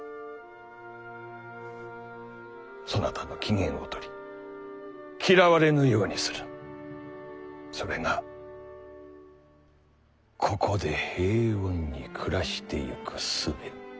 そなたの機嫌をとり嫌われぬようにするそれがここで平穏に暮らしてゆくすべ